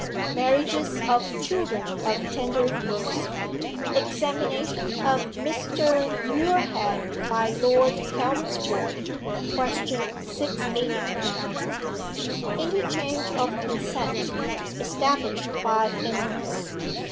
Marriages of children of tender years. Examination of Mr. Muirhead by Lord Chelmsford (Question 689). Interchange of consent, established by inference.